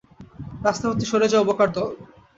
রাস্তা হতে সরে যাও, বোকার দল!